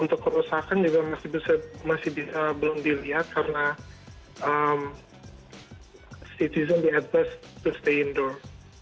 untuk kerusakan juga masih belum dilihat karena kekuasaan diadvasi untuk tinggal di rumah